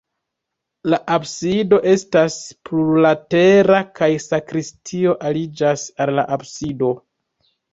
La absido estas plurlatera kaj sakristio aliĝas al la absido.